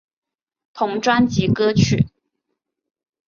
同专辑歌曲。